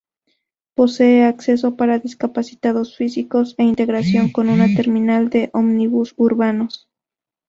Posee acceso para discapacitados físicos e integración con una terminal de ómnibus urbanos.